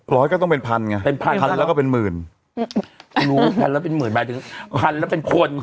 ก็ต้องเป็นพันไงเป็นพันพันแล้วก็เป็นหมื่นรู้พันแล้วเป็นหมื่นหมายถึงพันแล้วเป็นคน